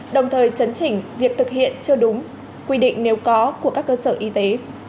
đồng thời chấn chỉnh việc thực hiện chưa đúng quy định nếu có của các cơ sở y tế